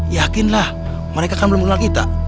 yakinlah mereka kan belum mengenal kita